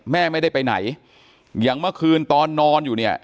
แม่ไม่ได้ไปไหนอย่างเมื่อคืนตอนนอนอยู่เนี่ย